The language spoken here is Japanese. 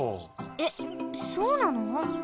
えっそうなの？